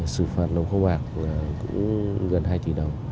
xử phạt nồng không ạc